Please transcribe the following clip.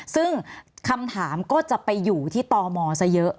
ซึ่งคำถามก็จะไปอยู่ที่ตมซะเยอะ